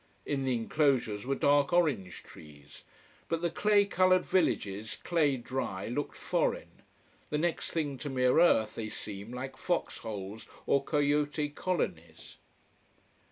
In the enclosures were dark orange trees. But the clay coloured villages, clay dry, looked foreign: the next thing to mere earth they seem, like fox holes or coyote colonies.